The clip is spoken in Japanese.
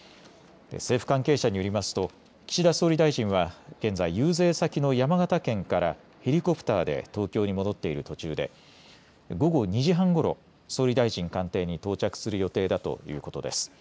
政府関係者によりますと岸田総理大臣は現在、遊説先の山形県からヘリコプターで東京に戻っている途中で午後２時半ごろ、総理大臣官邸に到着する予定だということです。